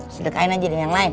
sedekahin aja dengan yang lain